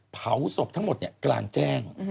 เผาศพทั้งหมดกลางแจ้ง